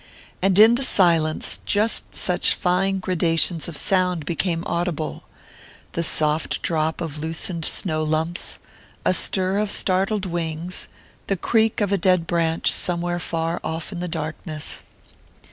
And in the silence just such fine gradations of sound became audible: the soft drop of loosened snow lumps, a stir of startled wings, the creak of a dead branch, somewhere far off in darkness.